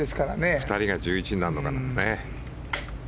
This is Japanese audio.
２人が１１になるのかな。